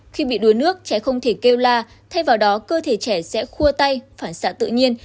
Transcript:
khi bị đuối nước trẻ không thể kêu la thay vào đó cơ thể trẻ sẽ khua tay phải xạ tự nhiên